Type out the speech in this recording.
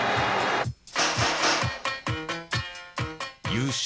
優勝